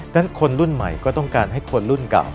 ฉะคนรุ่นใหม่ก็ต้องการให้คนรุ่นเก่า